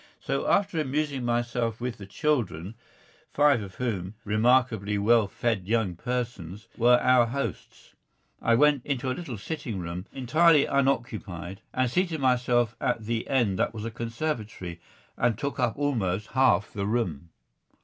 So, after amusing myself with the children, five of whom, remarkably well fed young persons, were our host's, I went into a little sitting room, entirely unoccupied, and seated myself at the end that was a conservatory and took up almost half the room.